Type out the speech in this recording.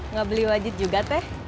nggak beli wajib juga teh